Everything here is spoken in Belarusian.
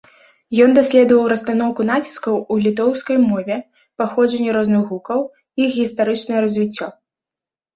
Ён даследаваў расстаноўку націскаў у літоўскай мове, паходжанне розных гукаў, іх гістарычнае развіццё.